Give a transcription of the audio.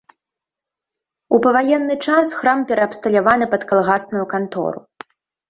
У паваенны час храм пераабсталяваны пад калгасную кантору.